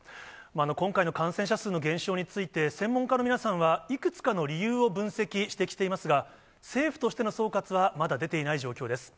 今回の感染者数の減少について、専門家の皆さんはいくつかの理由を分析してきていますが、政府としての総括はまだ出ていない状況です。